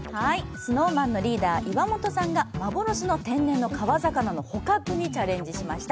ＳｎｏｗＭａｎのリーダー岩本さんが幻の天然の川魚の捕獲にチャレンジしました。